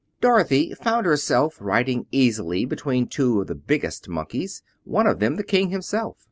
Dorothy found herself riding easily between two of the biggest Monkeys, one of them the King himself.